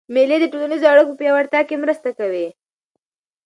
مېلې د ټولنیزو اړیکو په پیاوړتیا کښي مرسته کوي.